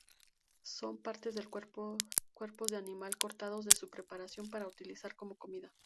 Son partes de cuerpos de animal cortados de su preparación para utilizar como comida.